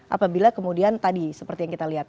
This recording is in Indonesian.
apabila kemudian tadi seperti yang kita lihat